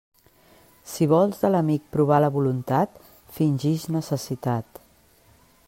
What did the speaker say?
Si vols de l'amic provar la voluntat, fingix necessitat.